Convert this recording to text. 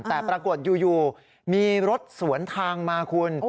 แต่ปรากฏอยู่มีรถสวนทางมาคุณ